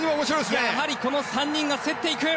この３人が競っていく。